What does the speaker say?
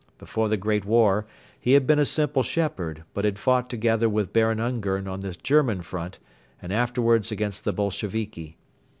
Before the Great War he had been a simple shepherd but had fought together with Baron Ungern on the German front and afterwards against the Bolsheviki.